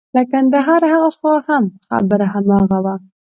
له کندهاره هاخوا هم خبره هماغه وه.